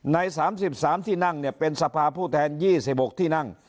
ใน๓๓ที่นั่งเป็นสภาผู้แทน๒๖ที่นั่ง